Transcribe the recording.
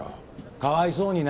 かわいそうにな。